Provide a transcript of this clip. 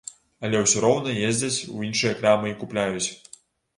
Але ўсё роўна ездзяць у іншыя крамы і купляюць.